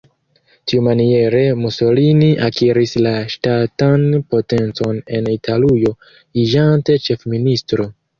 Tiumaniere Mussolini akiris la ŝtatan potencon en Italujo iĝante ĉefministro.